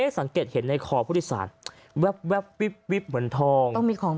สังเกตเห็นในคอผู้โดยสารแว๊บวิบเหมือนทอง